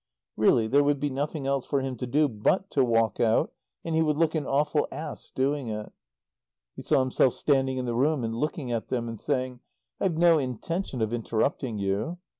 Really, there would be nothing else for him to do but to walk out, and he would look an awful ass doing it. He saw himself standing in the room and looking at them, and saying, "I've no intention of interrupting you."